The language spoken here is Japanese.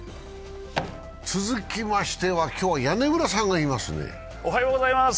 続きましては、今日は屋根裏さんがいますね。